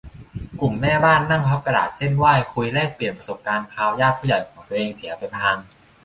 กลุ่มแม่บ้าน นั่งพับกระดาษเซ่นไหว้ คุยแลกเปลี่ยนประสบการณ์คราวญาติผู้ใหญ่ของตัวเสียไปพลาง